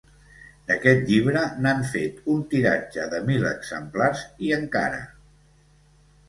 D'aquest llibre, n'han fet un tiratge de mil exemplars, i encara!